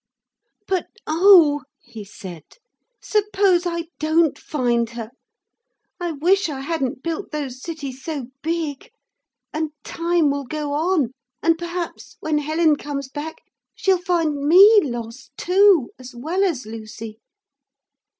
'But oh,' he said, 'suppose I don't find her. I wish I hadn't built those cities so big! And time will go on. And, perhaps, when Helen comes back she'll find me lost too as well as Lucy.'